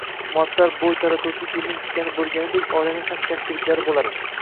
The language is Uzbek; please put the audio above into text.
Muattar bo‘y taratuvchi gulning tikani bo‘lganidek oilaning ham qiyinchiliklari bo‘ladi.